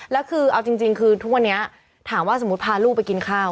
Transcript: แล้วคือเอาจริงคือทุกวันนี้ถามว่าสมมุติพาลูกไปกินข้าว